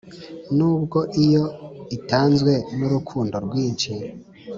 nubwo iyo itanzwe nurukundo rwinshi,